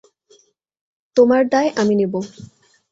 তোমার দায় আমি নেব।